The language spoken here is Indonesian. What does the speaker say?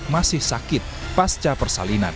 masih sakit pasca persalinan